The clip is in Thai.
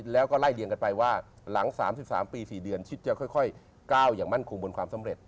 แล้วก็ไล่เรียงกันไปว่าหลัง๓๓ปี๔เดือนชิดจะค่อยก้าวอย่างมั่นคงบนความสำเร็จ